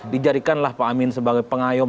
dijadikanlah pak amin sebagai pengayom